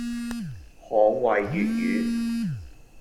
捍衛粵語